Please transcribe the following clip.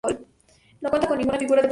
No cuenta con ninguna figura de protección.